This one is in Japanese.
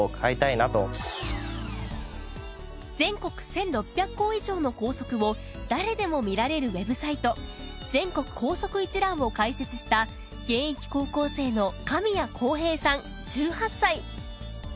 全国１６００校以上の校則を誰でも見られるウェブサイト全国校則一覧を開設した現役高校生の神谷航平さん１８歳。